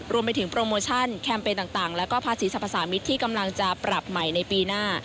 รวมไปถึงโปรโมชั่นแคมเปญต่างแล้วก็ภาษีสรรพสามิตรที่กำลังจะปรับใหม่ในปีหน้า